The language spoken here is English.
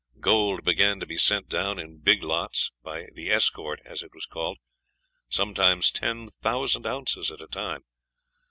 Gold began to be sent down in big lots, by the Escort, as it was called sometimes ten thousand ounces at a time.